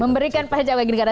memberikan pajak bagi negara